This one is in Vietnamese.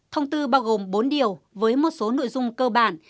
thông tư bao gồm bốn điều với một số nội dung cơ bản